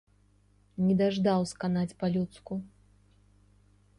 Не даждаў сканаць па-людску.